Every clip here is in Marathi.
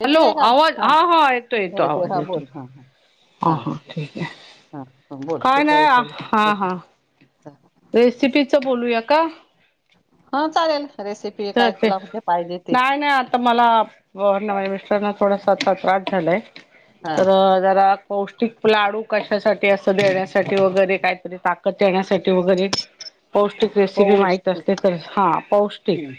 येते हॅलो काय का आवाज हा हा येतो येतो येते आवाज हा येतोय. बोल हा हा हा हा ठीक आहे हा हा, बोल काय कुठल्या नाही हा विषयावर हा, रेसिपीचं बोलूया का? हा चालेल रेसिपी तर काय ते तुला कसं पाहिजे ते. नाही नाही आता मला ना माझ्या मिस्टरना थोडासा आता त्रास झालाय हा तर जरा, पौष्टिक लाडू कशासाठी असं देण्यासाठी वगैरे काहीतरी ताकद येण्यासाठी वगैरे. पौष्टिक रेसिपी माहीत असती तर हा पौष्टिक हम्म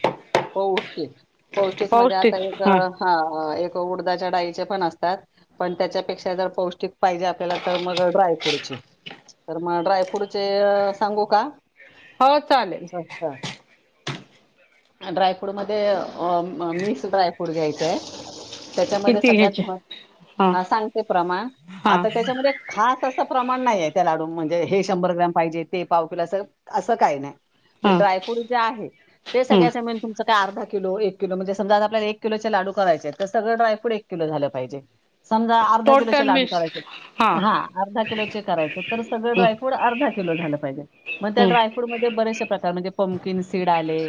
पौष्टिक पौष्टिक मध्ये आता एक. हा हा एक उडदाच्या डाळीचे पण असतात पण त्याच्यापेक्षा जर पौष्टिक. पाहिजे आपल्याला तर मग ड्राय फ्रूडचे तर मग ड्राय फ्रूडचे अ सांगू का. हो चालेल. स्वस्त ड्रायफ्रूट मध्ये अ म मिक्स ड्रायफ्रूट घ्यायचं आहे. त्याच्यामध्ये किती सगळ्यात घ्यायचे महत् हा सांगते प्रमाण हा आता त्याच्या मध्येच. खास असं प्रमाण नाही आहे त्या लाडूूंन मध्ये म्हणजे हे शंभर ग्रॅम पाहिजे ते पाव किलो असं असं काही नाही. ते हा ड्रायफ्रूट जे आहे ते सगळ्या समान ती तर अर्धा किलो एक किलो म्हणजे समजा आपल्याला एक किलोचे लाडू करायचे आहेत तर सगळ ड्रायफ्रुड एक किलो झालं पाहिजे. समजा अर्धा किलोचे टोटल लाडू मिक्स करायचे आहेत. हा अर्धा किलोचे करायचे तर सगळे हम्म ड्रायफ्रूड अर्धा किलो झालं पाहिजे मग ते ड्राय. हम्म फूड मध्ये बरेचशे प्रकार म्हणजे पंमकीन सीड आले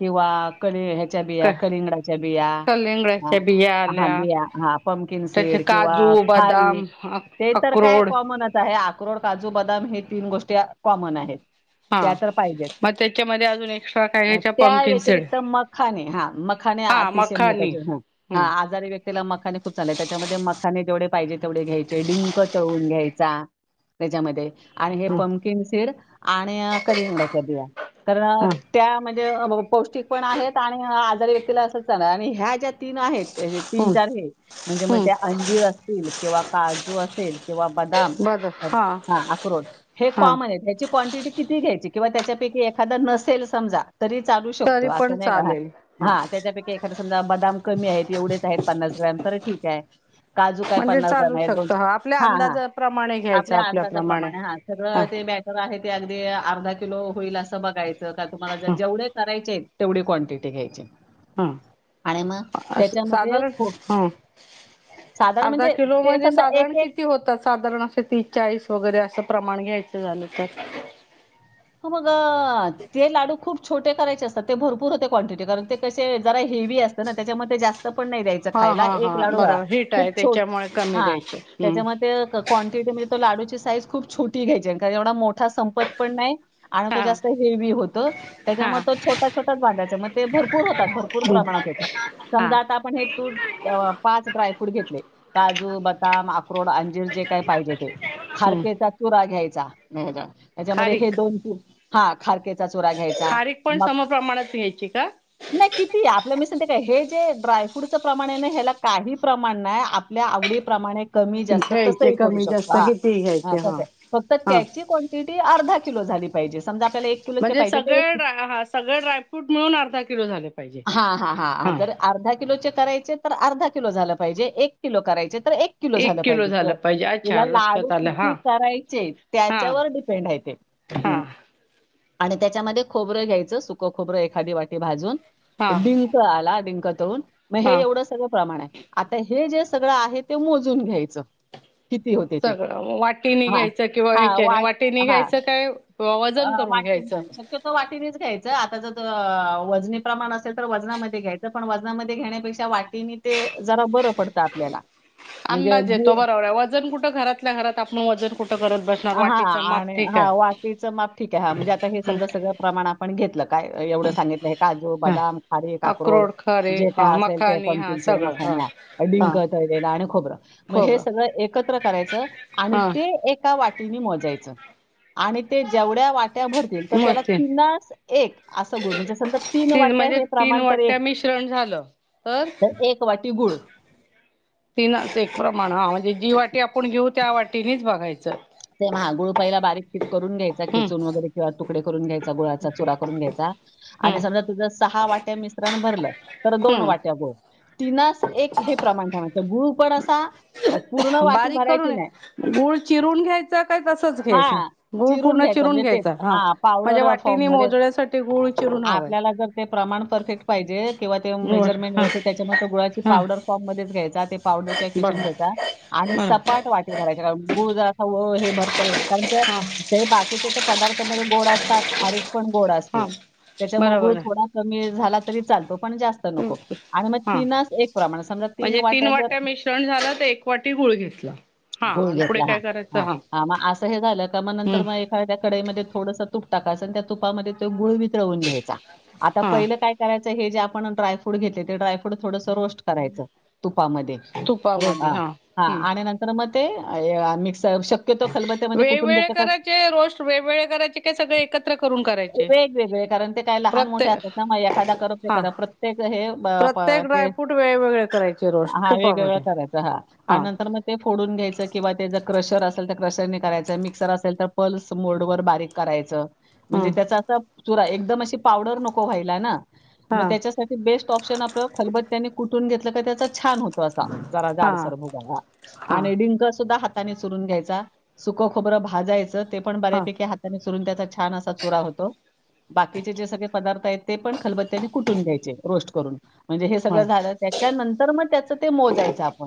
किंवा. कली ह्याच्या बिया कलिंगडाच्या बिया कलिंगडाच्या बिया हा आल्या बिया हा. पमकिन त्याचे सीड किंवा काजू बदाम खारीक अ ते तर काय अक्रोड कॉमन असतं. तर हे आक्रोड, काजू, बदाम हे तीन गोष्टी कॉमन आहेत. त्या हा तर पाहिजेच. मग त्याच्यामध्ये अजून एक्स्ट्रा काय अ, घ्यायच्यात. त्या व्यतिरिक्त मखाने हा मखाने हा अतिशय मखानी महत्वाचे हा हा हम्म आजारी व्यक्ती. ला मखाने खूप चांगले त्याच्यामध्ये मखाने जेवढे पाहिजे तेवढे घ्यायचे डिंक तळून घ्यायचा. त्याच्यामध्ये. आणि हे हम्म पंमकिन सीड आणि कलींगडाच्या बिया तर हम्म त्या म्हणजे. पौष्टिक पण आहेत आणि आजारी व्यक्तीला असं चालल आणि ह्या ज्या तीन आहेत. तरी तीन चार हे. म्हणजे मग ते हम्म अंजीर असतील किंवा काजू असेल- किंवा बदाम. बर हा हां. अक्रोड हे हा कॉमन आहेत. ह्याची क्वांटिटी- किती घ्यायची? किंवा त्याच्यापैकी एखाद नसेल समजा- तरी चालू तरी शकतो. अस पण नाही का, हा. चालेल हा त्याच्यापेक्षा- एखादा समजा बदाम कमी आहेत. एवढेच आहेत पन्नास ग्रॅम तर ठीक आहे. काजू काय म्हणजे पन्नास चालू ग्रॅम ए. दोन शकत आपल्या हा. हा. अंदाजाप्रमाणे घ्यायच आपल्या आपल्याप्रमाणे अंदाजाप्रमाणे हा सगळ ते बॅ - -टर आहे ते अगदी अर्धा किलो होईल असं बघायचं. का तुम्हाला ज - जेवढे करायचेत. तेवढी क्वांटिटी घ्यायची. हं. आणि मग अस त्याच्यामध्ये साधारण खूप हां. साधारण अर्धा म्हणजे किलो ते मधे समजा एक साधारण एक किती होतात? साधारण अस ती- चाळीस वगैरे असं प्रमाण घ्यायच झालं तर. हा मग -ते लाडू खूप- छोटे करायचे असतात. ते भरपूर होते क्वांटिटी. कारण ते कसे जरा हेवी असतं ना? त्याच्यामध्ये जास्त- -स्त पण नाही द्यायच हा खायला. हा एक हा लाडू वळा. बरोबर हिट आहे खूप छोट त्याच्यामुळे कमी हा. द्यायचे हम्म त्याच्याम - क्वान्टिटी म्हणजे लाडूची साईज खूप छोटी घ्यायची. कारण एवढा मोठा संपत पण नाही. आणि तो हा जास्त हे - हेवी होतं. हा त्याच्यामुळं तो छोटा छोटाच बांधायचा. म ते भरपूर होतात भरपूर. -पूर प्रमाणात होतात. हा समजा आता आपण हे तूप- अ पाच ड्रायफ्रूट घेतले. काजू, बदाम, अख्रोड, अंजीर जे काय पाहिजे ते. हम्म खारकेचा चुरा घ्यायचा. त्याच्यामध्ये हे खारीक दोन तीन- हां. खारकेचा चुरा घ्यायचा. खारीक पण मग- समप्रमाणात घ्यायची का नाही किती? आपल म मी सांगते काय? हे जे ड्रायफ्रूटचं प्रमाण आहे ना हेला काही प्रमाण नाय. आप- -ल्या आवडी प्रमाणे- कमी जास्त घ्यायचे कसही करू कमी जास्त शकतो. किती हां. घ्यायचे हा तसय. फक्त हा त्याची क्वान - -टीटी अर्धा किलो झाली पाहिजे. समजा- आपल्याला किलोचे म्हणजे पाहिजे तर सगळें ड्राय हां. सगळें ड्रायफ्रूट मिळूंन अर्धा किलो झाले पाहिजे हां. अर्धा किलो करायचे तरं अर्धा किलो झालं पाहिजे. एक किलो करायचे तरं एक- किलो झालं पाहिजे. तरं पाहिजे तुला अच्छा लाडू लक्षात आलं हा किती करायचे? हा त्याच्यावर डिपेंड आहे ते. हा हम्मं. आणि त्याच्यामध्ये खोबरं घ्यायचं. सुकं खोबरं एखादी वाटी भाजून. हा डिंक आला. डिंक तळून मगं हे हा एवढं सगळं प्रमाणं आहे. आंता हे जे सगळं आहे ते मोजून घ्यायचं. किती होते ते. सगळं. वाटीनी हां, घ्यायचं किंवा हां, ह्याच्याने. वाट वाटीनी हां, घ्यायचं किं - -वा अ, वजन करुन घ्यायचं. वाटीनं शक्यतो वाटीनीच घ्यायचं. आता जर वजनी प्रमाण असेल तर वजनामध्यें घ्यायचं. पण वजनामध्ये घेण्यापेक्षा वाटी- -नी ते जरां बरं पडतं आपल्याला. म्हणजे अंदाज येतो गूळ बरोबर आहे. वजनं कुठं घरातल्या घरात आपण वजन कुठं करत बसणार. वाटीच माप ठीक आहे. -टीचं माप ठीक आहे. हां. म्हणजे आता हे समजा सगळं प्रमाणं आपणं घेतलं- कायं एवढं सांगितलंय. काजू, हा बदाम, खारीक, आक्रोड अक्रोड खारे जे हा कायं असेल ते मखानी हा पमकिन सीड आणि सगळं हा मखाना - हा डिंक तळलेला आणि खोबरं. मगं हे खोबरं सगळं एकत्रं करायचं आणि हा ते एक- -का वाटीनी मोजांयच. आणि ते जेवढ्यां वाट्या भरतील तर त्याला मस्त तीनास - एक. असं [unintelligible] म्हणजे समजा तीन वाट्या हे प्रमाण तर एक- -श्रणं झालं. तर- तर एक वाटी गुळ. तीनास एक प्रमाण. हां. म्हणजे जी वाटी आपण घेऊ त्या वाटीनीच बघायचं. ते म हां. गूळ पहिला बारीक कि करून घ्यायचा हम्म खिचून वगैरे किंवा तुकडे करून घ्याय- च गुळाचा चुरा करूंन घ्यायचा आणि हम्म समजा तुझं सहा वाट्या मिश्रण भरलं परत दोन हम्म वाट्या बो. तीनास एक हे प्रमाणं ठेवायचं, गुळ पणं असां पूर्ण वाटी भरायची नाही. गूळ चिरून घ्याय चा तसाच घ्यायचा? हां. गुळ चिरून पूर्ण चीरुन म्हणजे तेच घ्यायचा हा, हां, म्हणजे पावडर वाटीनी फॉर्ममध्ये मोजण्यासाठी ते गुळ चिरून हवंय. आपल्याला जर ते प्रमाणं परफेक्ट पाहिजे किंवा ते बर मेजरमेंट हा व्यवस्थित, त्याच्यामध्ये गुळाची हा पावडर फॉर्म मध्येचं घ्यायचा, ते पावडर किंवा बर खिसून घ्यायचा. आणि बर सपाट वाटी भरायचे, कार गुळ जरासं हे भरतेल कारणं ते हा ते बाकीचे तर पदार्थामध्ये गोड असतात, खारीक पण गोड असते, हा त्याच्यामध्यें गुळ बरोबर आहे थोडा कमी झाला तरी चालतो, पण जास् हा, समजा म्हणजे तीनं जर वाट्या मिश्रण झालं, तर एक वाटी गुळ घेतलं. हा आणि पुढे काय करायचं? हा, हा, मग असं हे झालं का मग नंतर हम्म म एखाद्या कढाईमध्ये थोडसं तूप टाकायचं आणि त्या तुपा मध्ये गुळ वितळून घ्यायचा. आता पहिल हा काय करायचं, हे जे आपण ड्राय फ्रूट घेतले, ते ड्राय फ्रूट थोडंस रोस्ट करायचं तुपामध्ये र तुपामध्ये हा, हा हम्म आणि नंतर मगं ते मिक्स शक वेगवेगळे करायचे रोस्ट वेगवेगळे करायचे काय, सगळें एकत्र करून करायचे? वेगवेगळे, कारण ते काय लहान मोठे प्रत्येक असतात ना, मग एखादा करपत हा खर प्रत्येक हे ब प प्रत्येक ते. ड्रायफ्रूट वेगवेगळे करायचे रोस्ट हा, वेगवेगळा तुपामध्ये करायचं हा आणि नंतर मग ते फोडून घ्यायचं किंवा ते ज क्रशर असेल तर क्रशरने करायचं, मिक्सर असेल तर पल्स मोड वर बारीक करायचं. म्हणजे, हम्म त्याचा असा चुरा एकदम अशी पावडर नको व्हायला ना? मग, हा त्याच्यासाठी बेस्ट ऑप्शन आपलं खलबत्यानी कुटून घेतलं का, त्याचा छान होतो असा. जरा हा जाडसर भुगा हा आणि डिंक सुद्धा हात नी चुरून घ्यायचा, सूख खोबरं भाजायच, ते पण हा बऱ्यापैकी हात नी चूरून त्याचा छान असा चूरा होतो. बाकीचे जे सगळें पदार्थ आहेंत, ते पणं खलबत्याने कुटून घ्यायचे रोस्ट करून. म्हणजे हे सगळं हा झालं, त्याच्यानंतर मग त्याच ते मोजायचा आपण,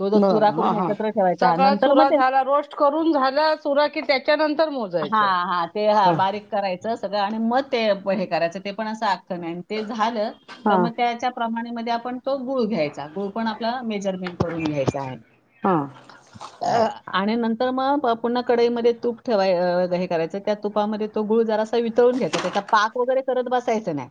तो जर बर चुरा हा करून हा एकत्र ठेवायचा. हा सगळा नंतर मग चुरा ते झाला रोस्ट करून झाला चुरा की, त्याच्यानंतर मोजायच. हा. करायच सगळं आणि मग ते हे करायचं, ते पण असं आख्खं नाही आणि ते झालं तर हा मग त्याच्या प्रमाणामध्ये आपण तो गुळ घ्यायचा, गुळ पण आपला मेजरमेंट करून घ्यायचा आहे. हा. अ आणि नंतर मग पुन्हा कडईमध्ये तूप ठेवाय अ हे करायचं. त्या तुपामध्ये तो गुळ जरासा वितळून घ्यायचा, त्याचा पाक वगैरे करत बसायच नाही.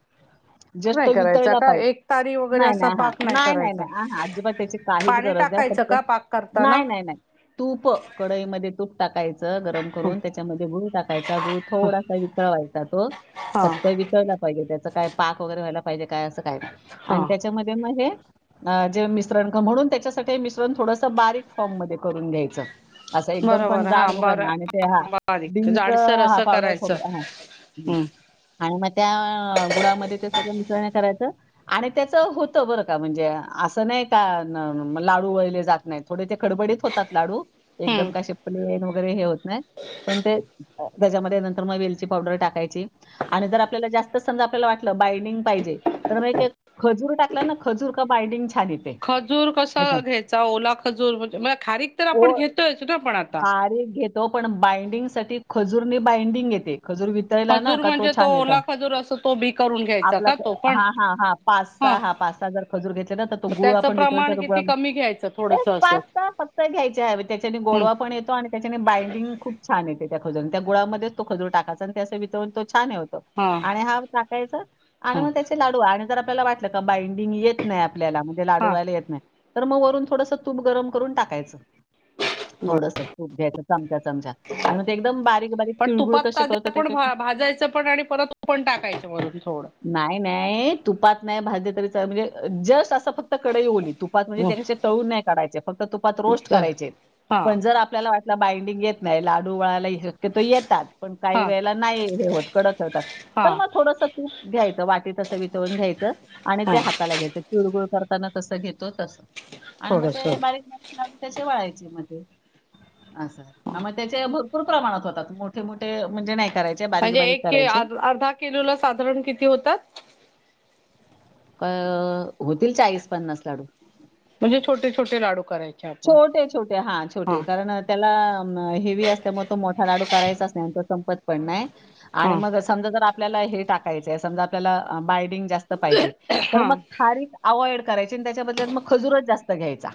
जस्ट काय तो करायचा वितळला आता, पाहिजे एकतारी वगैरे नाही असा हां. पाक नाही करायचा. नाही. आहा अजिबात त्याची काहीच पाणी गरज नाही. टाकायचं फक्त का पाक करताना? नाही, नाही, नाही, तूप कढई मध्ये तूप टाकायचं गरम करून त्याच्यामध्ये गुळ टाकायचा, गुळ थोडासा वितळवायचा तो हा फक्त वित ळला पाहिजे, त्याच काय पाक वगैरे व्हायला पाहिजे, काय असं काय नाही आणि हा त्याच्या मधे ना हे अ जे मिश्रण [unintelligible] त्याच्यासाठी मिश्रण थोडसं बारीक फाँम मधे करून घ्यायचं. असं एकदम पण बरोबर हा जाड भुगा बर नाही आणि ते हा बारीक डिंक [unintelligible] जाडसर असं करायचं हं हम्म आणि मग त्या गुडामध्ये ते सगळ मिसळण करायचं आणि त्याचं होतं बरं का, म्हणजे असं नाही का लाडू वळले जात नाहीत, थोडे ते खडबडीत होत. [inaudible] लाडू हम्म एकदम कसे. प्लेन वगैरे हे होत नाही, पण ते त्याच्यामध्ये नंतर मग वेलची पावडर टाकायची. आणि जर आपल्याला जास्त समजा आपल्याला वाटलं बायडिंग पाहिजे. तर मग एक खजूर टाकलाय ना खजूर का बायडिंग छान येईल. खजूर कसा घ्यायचा ओला खजूर म्हणजे म खारीक तर आपण घेतोयच ना पण आता. [inaudible] त पण बाइंडिंग साठी खजूरने बायंडिंग येते खजूर खजूर म्हणजे तो ओला खजूर असं तो बी करून घ्यायचा का तो पण [unintelligible] पाचसा हा पासा जर खजूर घेतले ना तर तो मग गुळ त्याचं आपण विक प्रमाण गुळा किती कमी घ्यायचं थोडस असं [inaudible] फक्त घ्यायचे आहे त्याच्याने हम्म गोडवा पण येतो आणि त्याच्याने बाइंडिंग खूप छान येते त्या खजूर त्या गुळामध्येच तो खजूर टाकायचा, आणि त्या असं वितळून तो छान हे होतो. आणि हा काय आणि हा. मग त्याचे लाडू आणि जर आपल्याला वाटलं का बांडिंग येत नाही आपल्याला. लाडू हा व्हायला येत नाही, तर मग वरून थोडस तूप गरम करून टाकायचं. बर थोडस तूप घ्यायचं चमचा, चमचा आणि मग एकदम बारीक बारीक तिळगुळ तुपात कसे आधी करतो. पण त्याच्या भाजायचं पण आणि परत तूप पण टाकायच वरून थोडं. नाही नाही तुपात नाही भाजले तरी म्हणजे जस्ट असं फक्त कढई ओली तुपात म्हणजे त्या तळून नाही काढायचे फक्त तुपात रोस्ट बर करायचे. हा पण जर आपला बाइंडिंग येत नाही, लाडू वळाला शक्यतो येतात. काही हा वेळेला नाही हे होत कडक ठेवतात हा तर मग थोडस तूप. घ्यायचं वाटीत अस वितवून घ्यायचं आणि हा ते हाताला घ्यायचं. तिळगुळ करताना तसं घेतो तस आणि मग थोडस ते बारीक बारीक लावून तसे वळायचे मध्ये. असं. मग त्याचे भरपूर प्रमाणात होतात मोठे मोठे म्हणजे नाही करायचे, म्हणजे बारीक-बारीक एक करायचे. अर्धा किलो ला साधारण किती होतात? अ होतील चाळीस पन्नास लाडू. म्हणजे छोटे छोटे लाडू करायचे. आपण. छोटे छोटे हा छोटे कारण त्याला हेवी असल्यामुळे तो मोठा लाडू करायचाच नाही. तो संपत पण नाही आणि हा मग समजा जर आपल्याला हे टाकायचय समजा आपल्याला बायडिंग जास्त पाहिजे तर हा म खारीक अव्हइड करायची आणि त्याच्याबद्दलत मग खजूरच जास्त घ्यायचा.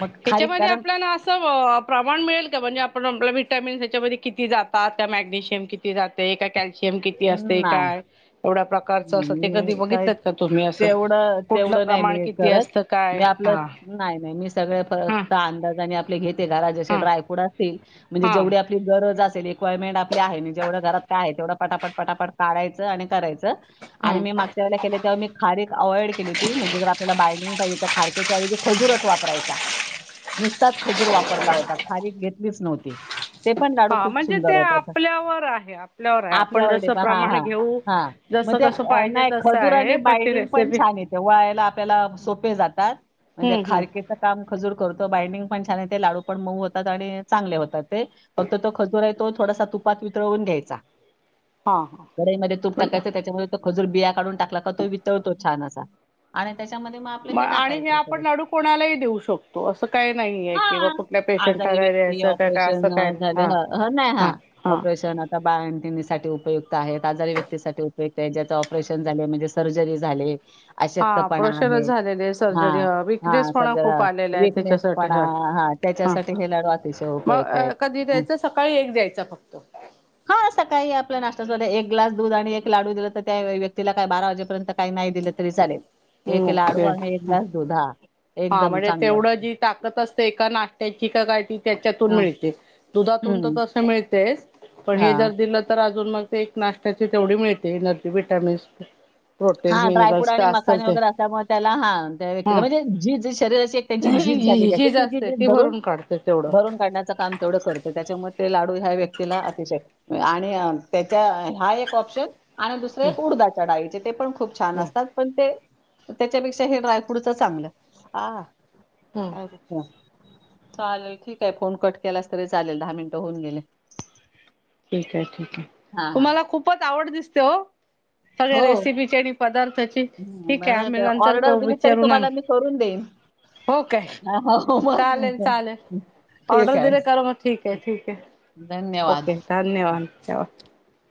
मग खारीक ह्याच्यामध्ये कारण आपल्या प्रमाण मिळेल का म्हणजे आपण आपल्या विटामिन्स याच्यामध्ये किती जातात? त्या मॅग्नेशियम किती जाते काय कल्शियम किती असते नाही. काय एवढ प्रकारच अस ते कधी काय बघितलंत का तुम्ही असं? तेवढं कुठलं तेवढं नाही प्रमाण मी किती करत. असतं काय? मी आपलं हा. नाही नाही मी सगळे हा फक्त अंदाजाने आपले घेते घरात जसे हा ड्रायफ्रूट असतील म्हणजे हा जेवढी आपली गरज असेल रिक्वायरमेंट आपली आहे आणि जेवढं घरात काय आहे तेवढं पटापट पटापट काढायचं आणि करायचं आणि मी मागच्या वेळेला केले तेव्हा मी खारीक अवॉइड केली होती म्हणजे जर आपल्याला बायडिंग पाहिजे तर खारक्याच्या ऐवजी खजूरच वापरायचा. नुसताच खजूर वापरला होता, खारीक घेतलीच नव्हती. ते पण लाडू हा खूप म्हणजे ते सुंदर होतात. आपल्यावर आहे आपल्यावर आहे आपल्या आपण वर डी जसं पण हा प्रमाण हा घेऊ हा. मग जसं त्या कसं पाहिजे नाही तसं खजूर आणि आहे पण ती बाइंडिंग पण रेसिपी छान येते, वळायला आपल्याला सोपे जातात म्हणजे हम्म हम्म खारकेचा काम खजूर करतो, बाइंडिंग पण छान येते, लाडू पण मऊ होतात, आणि चांगले होतात ते फक्त तो खजूर आहे तो थोडासा तुपात वितळवून द्यायचा. हा कडईमध्ये तूप हा टाकायचं त्याच्यामध्ये तो खजूर बिया काढून टाकला का तो वितळतो छान असा आणि त्याच्यामध्ये म मग आणि हे आपण लाडू कोणालाही देऊ शकतो असं काही नाहीय कि बा हां, कुठल्या पेशंट ला आजारी नाय व्यक्ती द्यायचं काय काय असं ऑपरेशन काय नाही झाले हा ह ह ना हा ऑपरेशन बाळंतिणी साठी उपयुक्त आहेत आजारी व्यक्तीसाठी उपयुक्त त्याच्यात ऑपरेशन झाले म्हणजे सर्जरी झाले आशक्त हा पणा प्रेशरच आहे झालेले आहे हा सर्जरी ह हा विकनेसपणा खूप सगळं आलेला आहे त्याच्यासाठी विकनेसपना ह हा त्याच्यासाठी हे लाडू अतिशय मग उपयुक्त आहेत. कधी द्यायचं सकाळी एक द्यायचा फक्त हा सकाळी आपल नास्त्या एक ग्लास दूध आणि एक लाडू दिला तर त्या व्यक्तीला काय बारा वाजेपर्यंत काही नाही दिलं तरी चालेल एक लाडू ओके आणि एक ग्लास दुध हा. हा म्हणजे तेवढं जी ताकत असते एका नाष्टत्याची का काय ती त्याच्यातून हां, मिळते. दुधातून तर हं, तसं मिळतेच पण हे हां. जर दिलं तर अजून मग एक नाशत्याची तेवढी मिळते नदी विटामिन्स. हा ड्रायफ्रूट आणि मखाने वगैरे असल्यामुळे त्याला हां त्या व्यक्ती हा म्हणजे जी ज शरीराशी त्यांची झीज झालेली आहे ती झीज भरून भरून काढण्याचं काम तेवढं करतो त्याच्यामुळे ते लाडू ह्या व्यक्तीला अतिशय आणि त्याच्या हा एक ऑप्शन आणि दुसरे एक उडदाच्या डाळीचे ते पण खूप छान असतात पण ते त्याच्यापेक्षा हे ड्रायफ्रूटच चांगलं हा. हम्म अच्छा. चालेल ठीक आहे फोन कट केलास तरी चालेल दहा मिनटं होऊन गेले. ठीक आहे ठीक आहे हां, हां. तुम्हाला खूपच आवड दिसते ओ. हो, ठीक आहे मला आम्ही नंतर ऑर्डर करू दिली तरी विचारू ना तुम्हाला मी करून देईन हो काय हो मग, चालेल चालेल ऑर्डर ठीक आहे. दिले कर मग ठीक आहे ठीक आहे. धन्यवाद. ओके धन्यवाद ठेवा.